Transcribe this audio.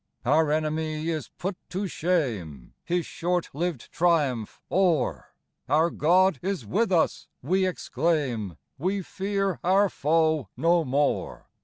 Our enemy is put to shame, His short lived triumph o'er ; Our God is with us, we exclaim, We fear our foe no more.